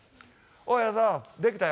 「おい矢沢できたよ。